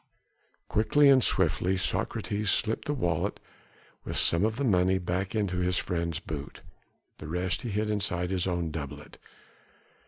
Quietly and swiftly Socrates slipped the wallet with some of the money back into his friend's boot, the rest he hid inside his own doublet.